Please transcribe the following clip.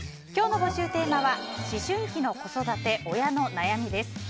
今日の募集テーマは思春期の子育て親の悩みです。